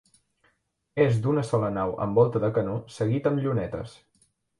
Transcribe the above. És d'una sola nau amb volta de canó seguit amb llunetes.